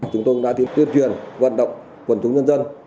chúng tôi đã tiến truyền vận động quần chúng dân dân